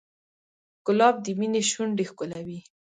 ګلاب د مینې شونډې ښکلوي.